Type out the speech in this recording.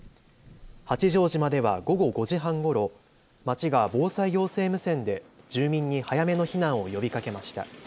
八丈島では午後５時半ごろ、町が防災行政無線で住民に早めの避難を呼びかけました。